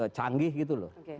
canggih gitu loh